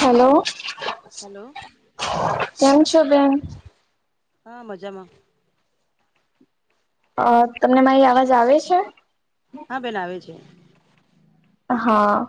Hello hello કેમ છો બેન હા મજામાં અ તમને મારી અવાજ આવે છે હા બેન આવે છે હા.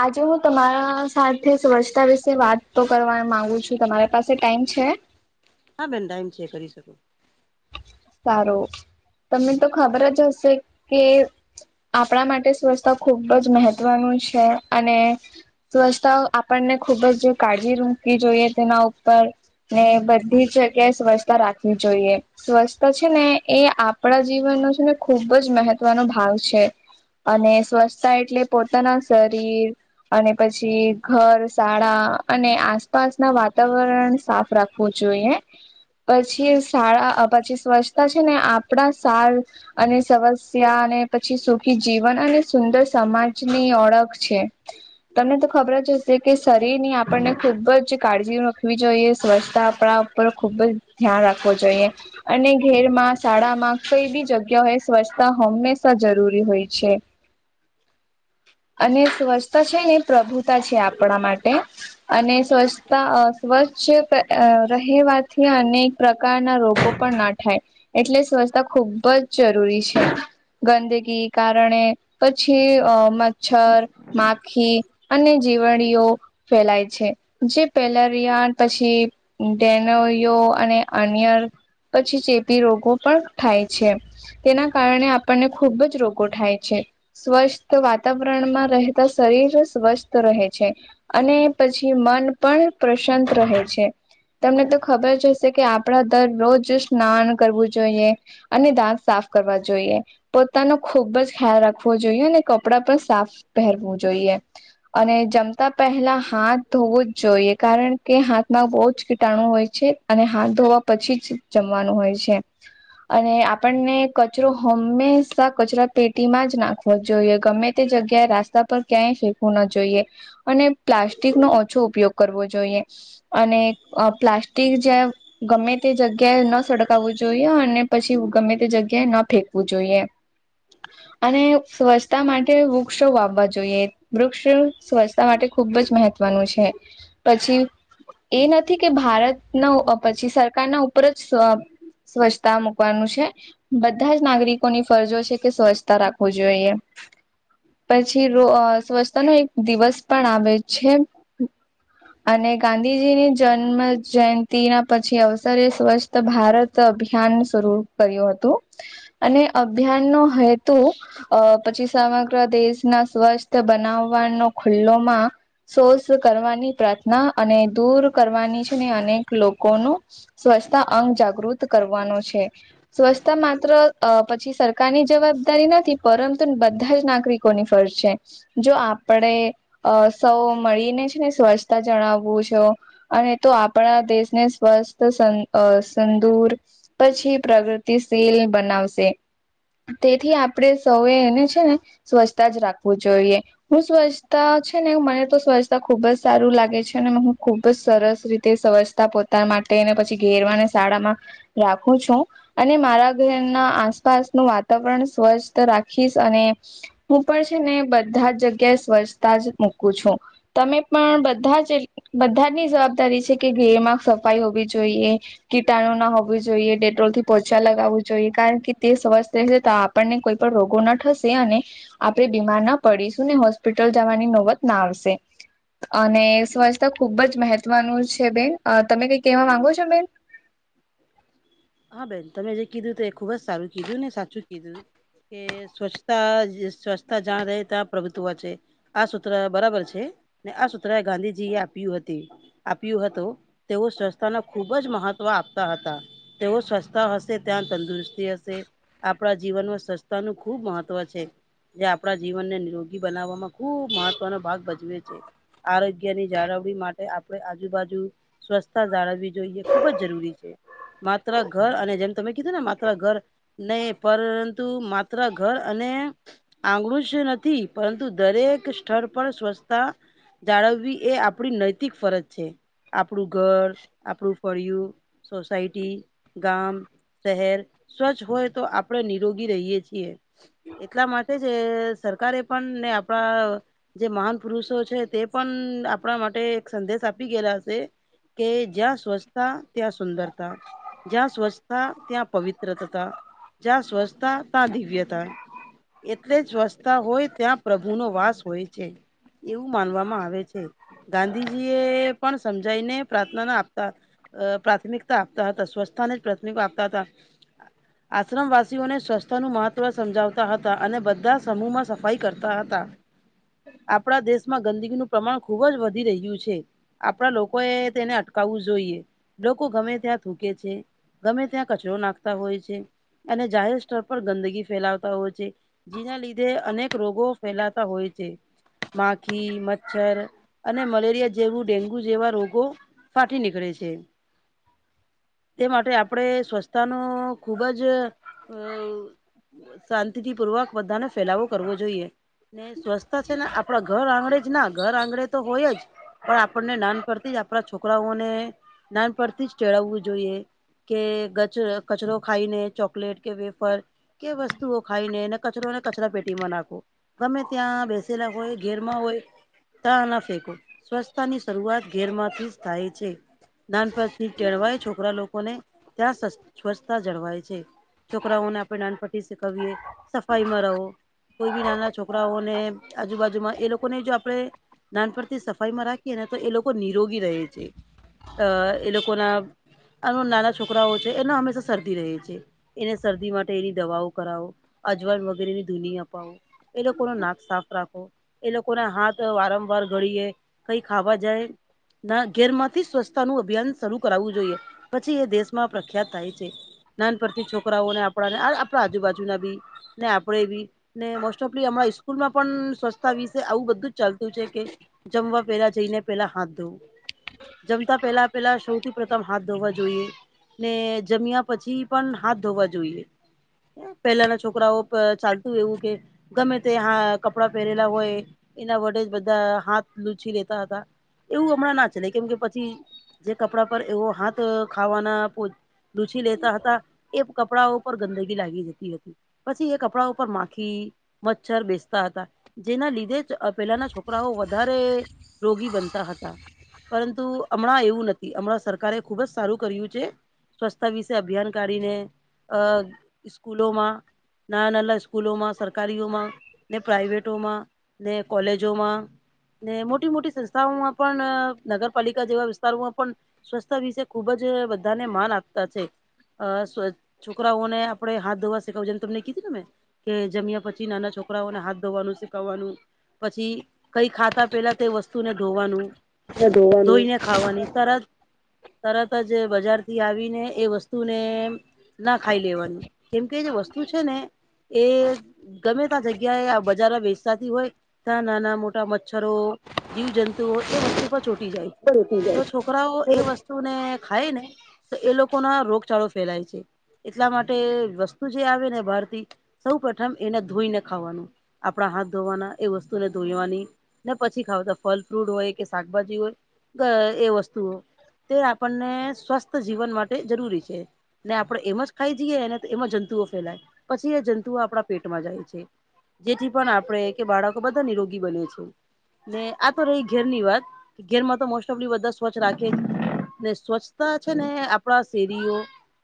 આજે હું તમારા સાથે સ્વચ્છતા વિશે વાત તો કરવા માગુ છું. તમારી પાસે ટાઈમ છે? હા બેન ટાઈમ છે કરી શકો. સારું તમને તો ખબર જ હશે કે.. આપણા માટે સ્વછતા ખૂબ જ મહત્વનું છે. અને... સ્વરછતા આપણને ખુબ જ કાળજી રૂકવી જોઈએ તેના ઉપર.... ને બધી જ જગ્યાએ સ્વચ્છતા રાખવી જોઈએ. સ્વરછતા છે ને એ આપણા જીવનો છે ને ખૂબજ મહત્વનો ભાગ છે. અને સ્વચ્છતા એટલે પોતાના શરીર.... અને પછી ઘર શાળા અને આસપાસ ના વાતાવરણને સાફ રાખવુ... રાખવું જોઈ પછી શાળા પછી સ્વચ્છતા છે ને આપણા સાર... અને સમસ્યા અને પછી સુખી જીવન અને સુંદર સમાજની ઓળખ છે. તમને તો ખબર જ હશે કે શરીર ની આપણને ખુબ જ કાળજી રાખવી જોઈએ સ્વચ્છતા આપણા... પર ખુબ જ ધ્યાન રાખવો જોઈએ... અને ઘરમાં શાળામાં કઈ બી જગ્યાઓ એ સ્વચ્છતા હંમેશા જરૂરી હોય છે. અને સ્વચ્છતા છે ને પ્રભુતા છે આપણા માટે... અને સ્વચ્છતા અ સ્વચ્છ રહેવાથી અનેક... પ્રકારના રોગો પણ ના થાય એટલે સ્વચ્છતા ખૂબ જ જરૂરી છે. ગંદકી કારણે પછી અ મચ્છર માખી... અને જીવાણીઓ ફેલાય છે જે પેલારિયાન પછી.... ડેનોયો અને અનિયર પછી ચેપી રોગો પણ થાય છે. તેના કારણે આપણને ખુબજ રોગો થાય છે સ્વસ્થ વાતાવરણ.... વાતાવરણમાં રહેતા શરીર સ્વસ્થ રહે છે. અને પછી મન.... પણ પ્રશંત રહે છે. તમને તો ખબર જ હશે કે... કે આપણે તો રોજ સ્નાન કરવું જોઈએ. અને દાંત સાફ કરવા જોઈએ પોતાનો ખુબ જ ખ્યાલ રાખવો જોઈએ અને ક.... કપડા પણ સાફ પહેરવું જોઈએ. અને જમતા પહેલા હાથ ધોવું જ જોઈએ કારણ કે હાથમાં બહુ જ કીટાણુ હોય છે. અને હાથ ધોવા પછી જ જમવાનું હોય છે. અને આપણને કચરો હંમેશા કચરા પેટીમાં જ નાખવો જોઈએ. ગમે તે જગ્યાએ રાસ્તા પર ક્યાંય ફેકવું ન જોઈએ. અને પ્લાસ્ટિક નો ઓછો ઉપયોગ કરવો જોઈએ. અને પ્લાસ્ટિક જ્યાં ગમેતે જગ્યા.... ક્યા ન સડગાવવું જોઈએ અને પછી ગમે તે જગ્યાએ ન ફેંકવું જોઈએ. અને સ્વસ્થ... તા માટે વૃક્ષો વાવવા જોઈએ વૃક્ષ સ્વચ્છતા માટે ખુબ જ મહત્વનું છે. પછી એ નથી કે ભારતનો પછી સરકારના ઉપર જ સ્વ... સ્વચ્છતા મુકવાનું છે બધા જ નાગરિકોની ફરજો છે કે સ્વચ્છ... તા રાખવું જોઈએ. પછી રો સ્વચ્છતા નો એક દિવસ પણ આવે છે. અને ગાંધીજીની જન્મ જયંતિ ના પછી અવસરે સ્વચ્છ... ભારત અભિયાન શરૂ કર્યું હતું. અને અભિયાન નો હેતુ અ પછી સમ... [unintelligible] દેશના સ્વસ્થ બનાવવાનો ખુલ્લોમાં.... શોષ કરવાની પ્રાર્થના અને દૂર કરવાની છે ને અનેક લોકોનું... સ્વચ્છતા અંગ જાગૃત કરવાનો છે. સ્વસ્તા માત્ર અ પછી સરકારની જવાબદારી નથી પરં તુ બધા જ નાગરિકોની ફર છે. જો આપણેે અ સૌ મળીને છે ને, સ્વસ્તા જણાવવો છો. અને તો આપણા દેશને સ્વસ્થ સંન-અ-સંદુર પછી પ્રગતિસીલ બનાવસે, તેથી આપડણે સૌએ ને છે ને સ્વચ્છતા જ રાખવુ જોઈએ. હું સ્વચ્છતા છે ને, મને તો સ્વચ્છતા ખુબ જ સારુ લાગે છે ને, મને ખુબ જ સરસ રીતે સ્વસ્ તા પોતા માટેને પછી ઘેરવાને, શાળામાં રાખું છું અને મારા ઘરના આસપાસનું વાતાવરણ સ્વસ્થ રા ખીસ અને હું પણ છે ને, બધા જ જગ્યાએ સ્વચ્છતા જ મૂકું છું. તમે પણ બધા જ બધાજની જવાબદારી સે કે ઘેયમા સફાઈ હોવી જોઈએ. કીટાણુ ન હોવી જોઈએ, ડેટ્રોલ થી પોયછા લગાવું જોઈએ. કારણ કે તે સ્વસ્થ રેશે તો, આપણને કોઈ પણ રોગ કો ન ઠસે અને આપણે બીમાર ના પડીસું, ને હોસ્પિટલ જવાની નોબત ના આવસે. અને સ્વછતા ખુબ જ મેહત્વનું છે બેન, તમે કઈક કેવા માંગો છો બેન? હા બેન, તમે જે કીધુ તે ખુબ જ સારુ કીધુ ને સાચું કીધુ. કે સ્વચ્છતા સ્વચ્છતા જા રેય ત્યાં પ્રભુત્વ છે. આ સૂત્ર બરાબર છે ને, આ સૂત્ર ગાંધીજી એ આપ્યું અતિય. આપ્યું હતું. તેઓ સ્વસ્તાને ખુબ જ મહત્વ આપતા હતા. તેઓ સ્વસતા હસે, ત્યાં તંદુરસ્તી અસે. આપણા જીવનમાં સ્વસતા નું ખુબ મહત્વ છે. જે આપણા જીવનને નિરોગી બનાવવામાં, ખુબ મહત્વનો ભાગ ભજવે છે. આરોગ્યની જાળવણી માટે આપડણે આજુબાજુ સ્વસતા જાળવવી જોઈએ, ખુબ જ જરૂરી છે. માત્ર ઘર અને જેમ તમે કીધું ને માત્ર ઘર ને પરરરંતુ માત્ર ઘર અને આંગળું જ નથી. પરંતુ, દરેક સ્ઠળ પણ સ્વસતા જાળવવી એ આપણી નૈતિક ફરજ છે. આપડું ઘર, આપણું ફળિયું, સોસાય ટી, ગામ, શહેર સ્વચ્છ હોય, તો આપણે નિરોગી રહીએ છીએ. એટલા માટે જ સરકારે પણ ને આપડણા જે મહાન પુરુષો છે, તે પન આપડા માટે એક સંદેશ આપી ગેલા સે. કે, જ્યા સ્વચ્છતા ત્યાં સુુંદરતા. જ્યાં સ્વચ્છતા ત્યાં પવિત્રત તા, જ્યાં સ્વચ્છતા ત્યાં દિવ્યતા. એટલે જ્વસતા હોય, ત્યાં પ્રભુનો વાસ હોય છે. એવું માનવામાં આવે છે, ગાંધીજી એ પણ સમજાઈને પ્રાર્થના ન આપતા. અ પ્રાથમિકતા આપતા હતા, સ્વચ્છતાને જ પ્રાથમિક આપતા હતા. આશ્રમવાસીઓને સ્વસતાનું મહત્ત્વ સમજાવતા હતા, અને બધા સમૂહમાં સફાઈ કરતા હતા. આપણા દેશમાં ગંદકીનું પ્રમાણ ખુબ જ વધી રહ્યું છે. આપણા લોકો એ તેને અટકાવવું જોઈએ લોકો ગમે ત્યાં થૂકે છે, ગમે ત્યાં કચયો નાખતા હોય છે. અને જાહેર સ્ઠય પર ગંદગી ફેલાવતા હોય છે. જેના લીધે અનેક રોગો ફેલાતા હોય છે. માખી, મચ્છર અને મલેરિયા જેવું ડેન્ગુ જેવા રોગો ફાટી નીકળે છે. તે માટે આપણે સ્વચ્છતાનું ખુબ જ અ શાંતિથી પૂર્વક બધાનો ફેલાવો કરવો જોઈએ. ને સ્વચ્છતા છે ને આપડા ઘર આંગણેે જ ના ઘર આંગણેે તો હોય જ પણ આપણને નાનપણ થી જ આપણા છોકરાઓને નાનપણથી જ ચડાવવું જોઈએ કે ગચ કચરો ખાઈને ચોકલેટ કે વેફર કે વસ્તુઓ ખાઈને એને કચરો ને કચરા પેટીમાં નાખવુ. ગમે ત્યાં બેસેલા હોય, ઘેરમાં હોય તા ના ફેંકો સ્વચ્છતાની શરૂઆત ઘેરમાંથી જ થાય છે. નાનપણથી ટેળવાય છોકરા લોકોને ત્યાં સ્વચ્છ સ્વચ્છતા જળવાય છે. છોકરાઓને આપણે નાનપણથી શીખવીએ સફાઈમાં રહો. કોઈ ભી નાના છોકરાઓને આજુબાજુમાં એ લોકો ને જો આપણે નાનપણથી સફાઈમાં રાખીએ ને તો એ લોકો નિરોગી રહે છે અ એ લોકોના [unintelligible] નાના છોકરાઓ છે એના હંમેશા શરદી રહે છે. એને શરદી માટેની દવાઓ કરાવો, અજવાણ વગેરેની ધૂની અપાવો. એ લોકોનું નાક સાફ રાખો. એ લોકોના હાથ વારંવાર ગળીએ. કઈ ખાવા જાય ના ઘેરમાંથી સ્વચ્છતાનું અભિયાન શરૂ કરાવવું જોઈએ પછી એ દેશમાં પ્રખ્યાત થાય છે. નાનપણથી છોકરાઓને આપણાને આપણા આજુબાજુના ભી ને આપણેે ભી ને મોસ્ટઓફલી હમણાં સ્કૂલમાં પણ સ્વચ્છતા વિશે આવું બધું જ ચાલતું છે કે જમવા પેલા જઈને પેલા હાથ ધોવું, જમતા પેહલા પેહલા સૌથી પ્રથમ હાથ ધોવા જોઈએ ને જમ્યા પછી પણ હાથ ધોવા જોઈએ. પહેલાના છોકરાઓ અ ચાલતું એવું કે ગમે તે હા કપડાં પહેરેલા હોય. એના વડે જ બધા હાથ લૂછી લેતા હતા એવું હમણાં ના ચલે કેમ કે પછી જે કપડા પર એવો હાથ ખાવાના પોચ લૂછી લેતા હતા એ કપડાઓ ઉપર ગંદગી લાગી જતી હતી પછી એ કપડા ઉપર માખી મચ્છર બેસતા હતા. જેના લીધે જ પહેલાના છોકરાઓ વધારે રોગી બનતા હતા. પરંતુ હમણાં એવું નથી. હમણાં સર કારે ખુબ જ સારું કર્યું છે સ્વચસ્છતા વિશે અભિયાન કાઢીને અ સ્કૂલોમાં, નાના નલા સ્કૂલોમાં, સરકારીઓમાં ને પ્રાઈવેટોમાં, ને કોલેજોમા, ને મોટી મોટી સંસ્થાઓમાં પણ નગરપાલિકા જેવા વિસ્તારોમાં પણ સ્વસ્થા વિશે ખુબ જ બધાને માન આપતા છે. અ સ્વચ્ છોકરાઓને આપડણે હાથ ધોવા શેખવા જે તમને કીધી ને મેં કે જમ્યા પછી નાના છોકરાઓને હાથ ધોવાનું શીખવવાનું પછી કઈ ખાતા પેલા તે વસ્તુને ધોવાનું, ધોવાનું ધોઈને ખાવાની તરત તરત જ બજારથી આવીને એ વસ્તુને ના ખાઈ લેવાની. કેમ કે જે વસ્તુ છે ને એ ગમે તા જગ્યાએ આ બજાર માં વેચતાતી હોય ત્યાં નાના મોટા મચ્છરો, જીવજંતુઓ એ વસ્તુ પર ચોટી જાય છે રોટી તો જાય છોકરાઓ વસ્તુ ને ખાય ને તો એ લોકોના રોગચાળો ફેલાય છે. એટલા માટે વસ્તુ જે આવે ને બહાર થી સૌપ્રથમ એને ધોઈને ખાવાનું. આપણા હાથ ધોવાના એ વસ્તુને ધોઈવાની ને પછી ખાવતા ફલ ફ્રૂટ હોય કે શાકભાજી હોય ગ એ વસ્તુઓ તે આપણને સ્વસ્થ જીવન માટે જરૂરી છે. ને આપડે એમાં જ ખાઈ જઈએ એને તો એમાં જંતુઓ ફેલાય. પછી એ જંતુઓ આપણા પેટમાં જાય છે. જેથી પણ આપણે કે બાળકો બધા નિરોગી બને છે. ને આ તો રહી ઘેર ની વાત. ઘેર માં તો મોસ્ટ ઓફલી બધા સ્વચ્છ રાખે. ને સ્વચ્છતા છે ને આપણા શેરીઓ,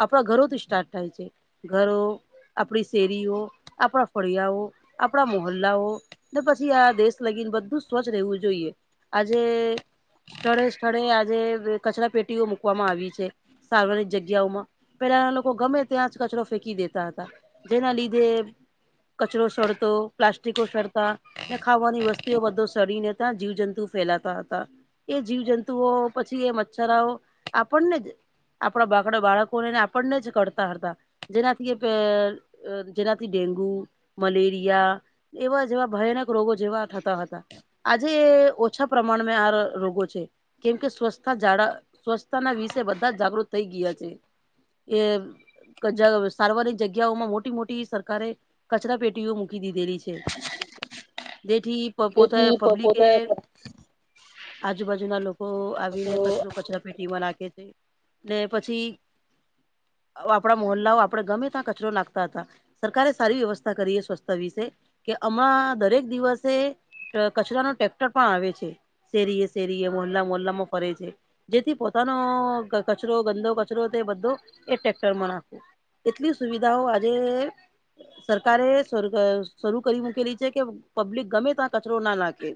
આપણા ઘરોથી સ્ટાર્ટ થાય છે. ઘરો આપણી શેરીઓ, આપણા ફળિયાઓ, આપણા મોહલ્લાઓ, ને પછી આ દેશ લગીને બધું સ્વચ્છ રહેવું જોઈએ. આજે સ્થળે સ્થળે આજે કચરા પેટીઓ મુૂકવામાં આવી છે. સાર્વનિક જગ્યાઓમાં. પેલા એના લોકો ગમે ત્યાં જ કચરો ફેંકી દેતા હતા. જેના લીધે કચરો સડતો તો, પ્લાસ્ટિકો સડતો. ને ખાવાની વસ્તુઓ બધો સડીને ત્યાં જીવ જંતુ ફેલાતા હતા. એ જીવ જંતુઓ. પછી એ મચ્છરાઓ, આપણને જ, આપણા બાળકો, બાળકોને આપણને જ કરતા હતા. જેનાથી એ [unintelligible] જેનાથી ડેન્ગુ, મલેરિયા. એવા જેવા ભયાનક રોગો જેવા થતા હતા. આજે ઓછા પ્રમાણમાં આ રોગો છે. કેમ કે? સ્વસ્થતા જા, સ્વચ્છતાના વિશે બધા થઈ છે. એ [unintelligible] સાર્વજનિક જગ્યાઓમાં મોટી મોટી સરકારે. કચરા પેટીઓ મૂકી દીધેલી છે. જેથી પોતે જેથી પબ્લિક પોતે એ, આજુબાજુ ના લોકો આવીને કચરો, કચરા. પેટીમાં નાખે છે ને પછી. આપણા મોહલ્લાઓ, આપણે ગમે ત્યાં કચરો નાખતા હતા. સરકારે સારી વ્યવસ્થા કરી સ્વચ્છતા વિશે. કે આમાં દરેક દિવસે. કચરા નોં ટ્રેક્ટર પણ આવે છે. શેરીએ, શેરીએ, મોહલ્લા, મોહલ્લામાં. કરે છે જેથી પોતાનો કચરો ગંદો કચરો બધો. એ ટ્રેક્ટર માં નાખવું. એટલી સુવિધાઓ આજે. સરકારે શરૂ કરી મૂકેલી છે કે. પબ્લિક ગમે ત્યાં કચરો ના નાખે.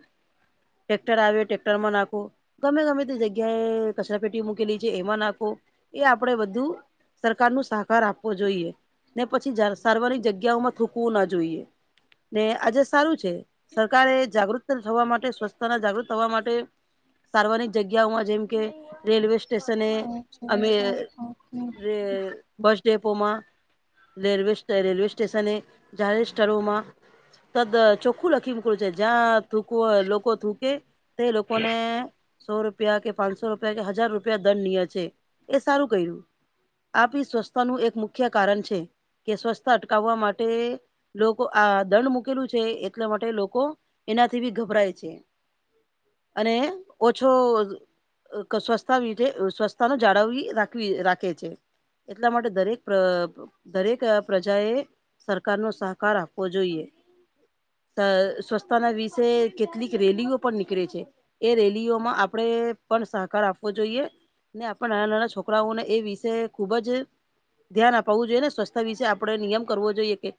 ટેક્ટર આવે, ટ્રેક્ટર માં નાખો. ગમે ગમે. તે જગ્યાએ કચરાપેટી મૂકેલી છે, એમાં નાખો. એ આપડે બધું. સરકાર નું સહકાર આપવો જોઈએ ને પછી સાર્વજનિક જગ્યાઓમાં થૂકવું ના જોઈએ ને આજે સારું છે. સરકારે જાગૃત થવા માટે સ્વચ્છતાના જાગૃત થવા માટે સાર્વજનિક જગ્યાઓમાં જેમ કે રેલવે સ્ટેશને પાંચ છ અને સાત આઠ નવ બસ ડેપોમાં રેલવે રેલવે સ્ટેશન જાહેર સ્થળોમાં તદ ચોખ્ખું લખી મૂક્યું છે જ્યાં થૂકવું, લોકો થૂકે તે લોકોને સો રૂપિયા, કે પાંચસો રૂપિયા, કે હજાર રૂપિયા દંડનીય છે એ સારું કર્યું આ બી સ્વચ્છતા નું એક મુખ્ય કારણ છે કે સ્વચ્છતા અટકાવવા માટે લોકો આ દંડ મુૂકેલું છે. એટલા માટે લોકો એનાથી બી ગભરાય છે. અને ઓછો સ્વચ્છતા સ્વચ્છતા ને જાળવવી રાખવી રાખે છે. એટલા માટે દરેક દરેક પ્રજા એ સરકાર ને સહકાર આપવો જોઈએ. અ સ્વચ્છતાના વિષે કેટલીક રેલીઓ પણ નીકળે છે. એ રેલી [unintelligible] માં આપણે પણ સહકાર જોઈએ. ને આપણા નાના નાના છોકરાઓને એ વિષે ખૂબ જ ધ્યાન અપાવું જોઈએ ને, સ્વચ્છતા વિશે આપડે નિયમ કરવો જોઈએ કે